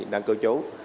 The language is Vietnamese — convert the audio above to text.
đang cư trú